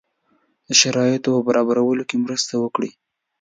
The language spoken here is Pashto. د شرایطو په برابرولو کې مرسته وکړي.